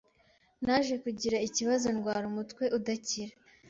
naje kugira ikibazo ndwara umutwe udakira